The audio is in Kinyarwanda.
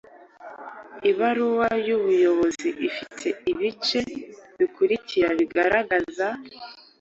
Ibaruwa y’ubuyobozi ifite ibice bikurikira bigaragaza